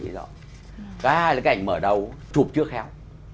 cái hai cái ảnh mở đầu chụp chưa khéo